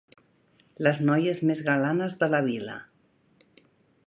Les noies més galanes de la vila.